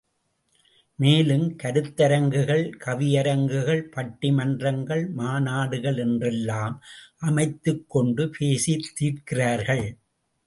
மேலும் கருத்தரங்குகள் கவியரங்குகள் பட்டி மன்றங்கள் மாநாடுகள் என்றெல்லாம் அமைத்துக்கொண்டு பேசித் தீர்க்கிறார்கள்.